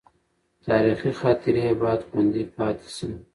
تاریخي خاطرې باید خوندي پاتې شي.